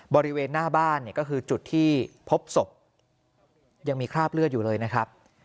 บริเวณหน้าบ้านเนี่ยก็คือจุดที่พบศพยังมีคราบเลือดอยู่เลยนะครับ